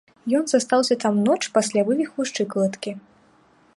Ён застаўся там ноч пасля вывіху шчыкалаткі.